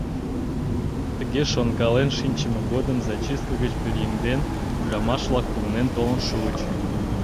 Тыге шонкален шинчыме годым зачистка гыч пӧръеҥден ӱдырамаш-влак погынен толын шуыч.